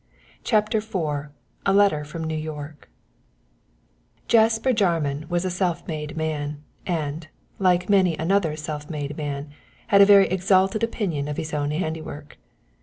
CHAPTER IV A LETTER FROM NEW YORK Jasper Jarman was a self made man, and, like many another self made man, had a very exalted opinion of his own handiwork.